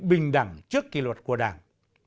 bình đẳng trước kỳ luật của đảng